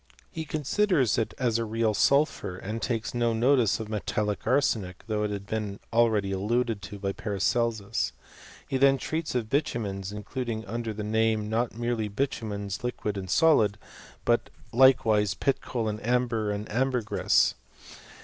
He considers it as a real sulphur, and takes no notice of metallic arsenic, though it had been already alluded to by Paracelsus. He then treats of bitumens, including under the name not merely bitu mens liquid and solid, but likewise pit coal, amber, and ambergris.